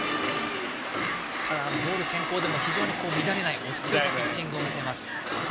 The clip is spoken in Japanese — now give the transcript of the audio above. ボール先行でも非常に乱れない落ち着いたピッチングを見せます。